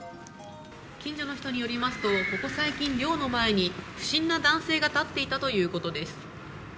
近所の人によりますと、ここ最近、寮の前に不審な男性が立っていたということです。